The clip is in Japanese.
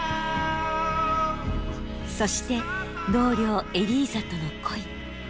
そして同僚エリーザとの恋。